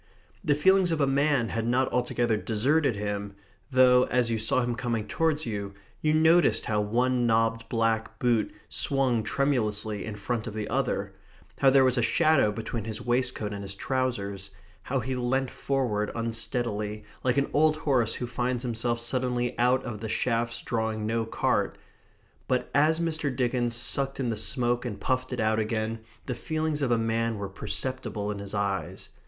The feelings of a man had not altogether deserted him, though as you saw him coming towards you, you noticed how one knobbed black boot swung tremulously in front of the other; how there was a shadow between his waistcoat and his trousers; how he leant forward unsteadily, like an old horse who finds himself suddenly out of the shafts drawing no cart. But as Mr. Dickens sucked in the smoke and puffed it out again, the feelings of a man were perceptible in his eyes.